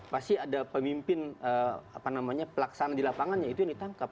pasti ada pemimpin pelaksanaan di lapangannya itu yang ditangkap